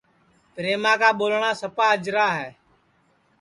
پریما کا ٻولٹؔا سپا اجرا ہے